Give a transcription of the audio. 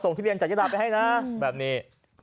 อ๋อส่งทุเรียนจากเจ้าหน้าไปให้นะแบบนี้